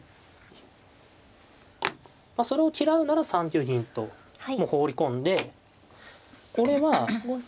まあそれを嫌うなら３九銀ともう放り込んでこれは。